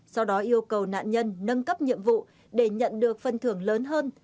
sau đó yêu cầu nạn nhân nâng cấp nhiệm vụ để nhận được phần thưởng lớn hơn